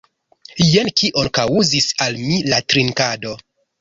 Jen kion kaŭzis al mi la drinkado!